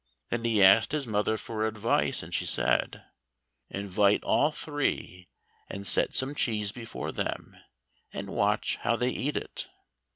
Then he asked his mother for advice, and she said, "Invite all three, and set some cheese before them, and watch how they eat it."